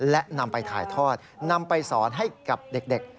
และนำไปถ่ายทอดนำไปสอนให้กับเด็ก